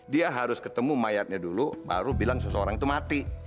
dia harus ketemu mayatnya dulu baru bilang seseorang itu mati